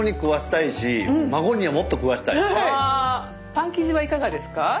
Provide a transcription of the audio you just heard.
パン生地はいかがですか？